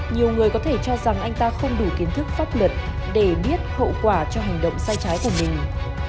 nhiều người có thể cho rằng anh ta không đủ kiến thức pháp luật để biết hậu quả cho hành động sai trái của mình